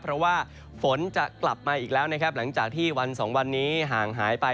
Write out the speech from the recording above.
เพราะว่าฝนจะกลับมาเอาแล้วหลังจากที่วัน๒วันนี้ห่างหายไป